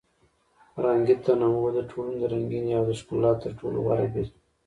فرهنګي تنوع د ټولنې د رنګینۍ او د ښکلا تر ټولو غوره بېلګه ده.